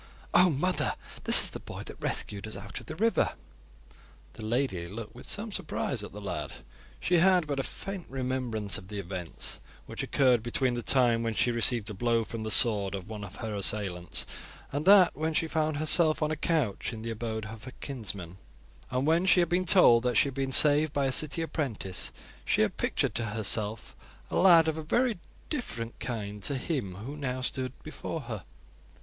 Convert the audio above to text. "Oh! mother, this is the boy that rescued us out of the river." The lady looked with some surprise at the lad. She had but a faint remembrance of the events which occurred between the time when she received a blow from the sword of one of her assailants and that when she found herself on a couch in the abode of her kinsman; and when she had been told that she had been saved by a city apprentice she had pictured to herself a lad of a very different kind to him who now stood before her.